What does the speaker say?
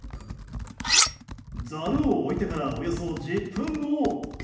ザルを置いてからおよそ１０分後。